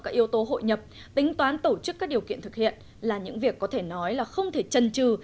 các yếu tố hội nhập tính toán tổ chức các điều kiện thực hiện là những việc có thể nói là không thể trần trừ